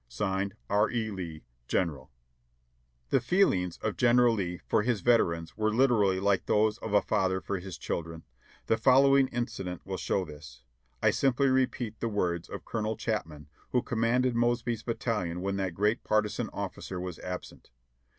"(Signed.) R. E. Lee, "General." The feelings of General Lee for his veterans were literally like those of a father for his children. The following incident will show this. I simply repeat the words of Colonel Chapman, who com manded Mosby's battalion when that great partisan officer was ab sent.